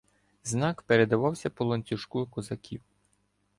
Знак передався по ланцюжку козаків.